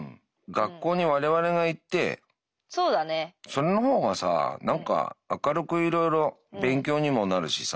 その方がさ何か明るくいろいろ勉強にもなるしさ。